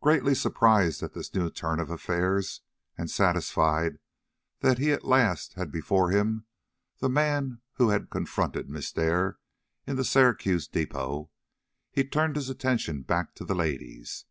Greatly surprised at this new turn of affairs, and satisfied that he at last had before him the man who had confronted Miss Dare in the Syracuse depot, he turned his attention back to the ladies.